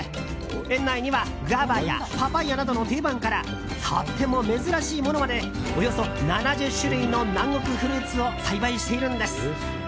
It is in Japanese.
園内にはグアバやパパイアなどの定番からとっても珍しいものまでおよそ７０種類の南国フルーツを栽培しているんです。